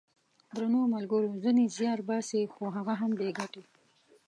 درنو ملګرو ! ځینې زیار باسي خو هغه هم بې ګټې!